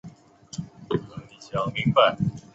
玩家通过内政使国家富裕并提高军事实力。